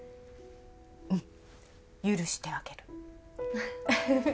うん許してあげる。